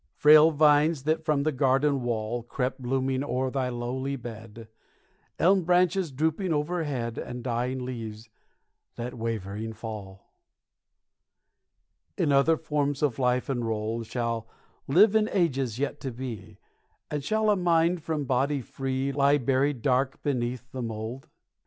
Frail vines that from the garden wall Crept blooming o'er thy lowly bed, Elm branches drooping overhead, And dying leaves that wavering fall, In other forms of life enrolled Shall live in ages yet to be; And shall a mind from body free Lie buried dark beneath the mold?